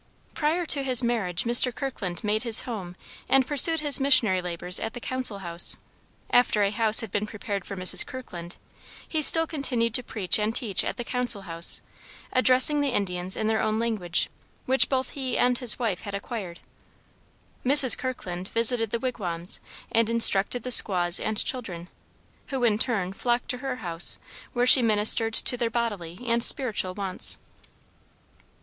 Prior to his marriage Mr. Kirkland made his home and pursued his missionary labors at the "Council House;" after a house had been prepared for Mrs. Kirkland, he still continued to preach and teach at the "Council House," addressing the Indians in their own language, which both he and his wife had acquired. Mrs. Kirkland visited the wigwams and instructed the squaws and children, who in turn flocked to her house where she ministered to their bodily and spiritual wants.